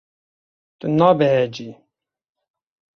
Tu nabehecî.